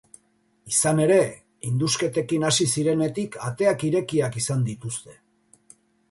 Izan ere, indusketekin hasi zirenetik ateak irekiak izan dituzte.